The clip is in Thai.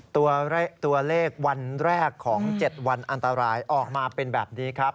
ตัวเลขวันแรกของ๗วันอันตรายออกมาเป็นแบบนี้ครับ